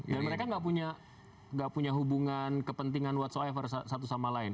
dan mereka nggak punya hubungan kepentingan whatsoever satu sama lain